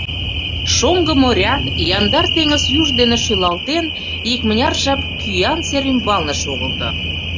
Шоҥго моряк, яндар теҥыз юж дене шӱлалтен, икмыняр жап кӱан сер ӱмбалне шогылто.